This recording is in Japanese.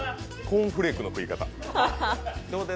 コーンフレークの食い方。